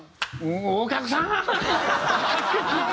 「お客さーん！」。